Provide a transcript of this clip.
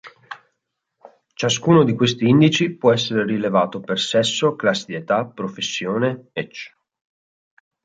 Ciascuno di questi indici può essere rilevato per sesso, classi di età, professione ecc.